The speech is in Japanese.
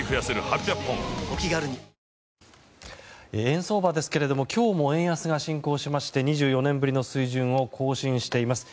円相場ですが今日も円安が進行しまして２４年ぶりの水準を更新しています。